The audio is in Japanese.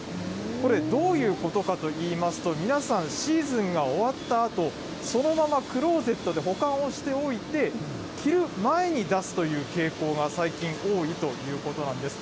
これ、どういうことかといいますと、皆さんシーズンが終わったあと、そのままクローゼットで保管をしておいて、着る前に出すという傾向が、最近、多いということなんです。